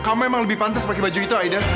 kamu emang lebih pantas pakai baju itu aida